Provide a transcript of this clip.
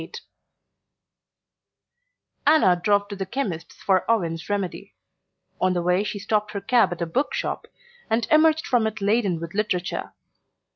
XXXVIII Anna drove to the chemist's for Owen's remedy. On the way she stopped her cab at a book shop, and emerged from it laden with literature.